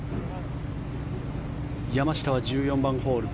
山下は１４番ホール。